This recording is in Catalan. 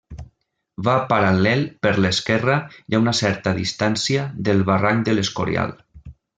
Va paral·lel per l'esquerra, i a una certa distància, del Barranc de l'Escorial.